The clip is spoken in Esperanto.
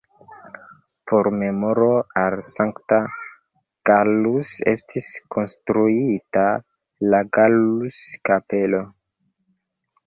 Por memoro al Sankta Gallus estis konstruita la Gallus-Kapelo.